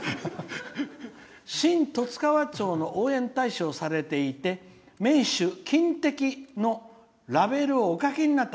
「新十津川町の応援大使をされていて名酒「金滴」のラベルをお書きになった。